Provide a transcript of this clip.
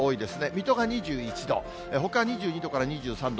水戸が２１度、ほか２２度から２３度。